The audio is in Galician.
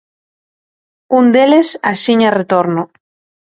Un deles axiña retorno.